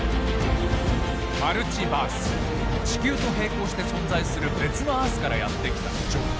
マルチバース地球と並行して存在する別のアースからやって来たジョン。